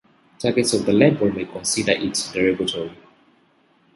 Targets of the label may consider it derogatory.